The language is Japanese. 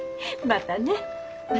またね。